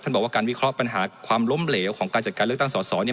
บอกว่าการวิเคราะห์ปัญหาความล้มเหลวของการจัดการเลือกตั้งสอสอเนี่ย